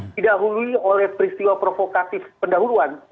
tidak hului oleh peristiwa provocative pendahuluan